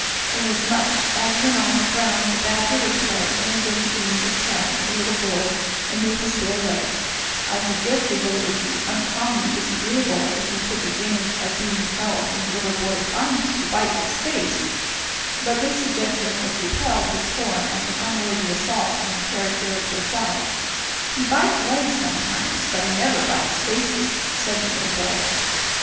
Inasmuch as when on the ground the badger would play energetic games of tag with the little boy and nip his bare legs, I suggested that it would be uncommonly disagreeable if he took advantage of being held in the little boy's arms to bite his face; but this suggestion was repelled with scorn as an unworthy assault on the character of Josiah. "He bites legs sometimes, but he never bites faces," said the little boy.